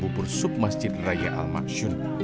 pertama bubur sup masjid raya al maksyun